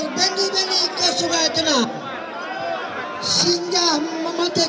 harusnya juga kena lagi buat kaulia dan sosial mendidik